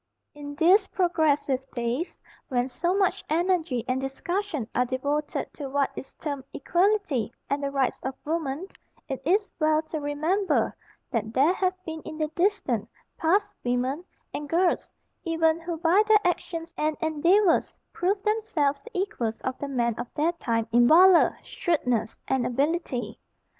In these progressive days, when so much energy and discussion are devoted to what is termed equality and the rights of woman, it is well to remember that there have been in the distant past women, and girls even, who by their actions and endeavors proved themselves the equals of the men of their time in valor, shrewdness, and ability.